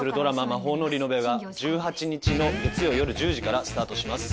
「魔法のリノベ」が１８日の月曜夜１０時からスタートします。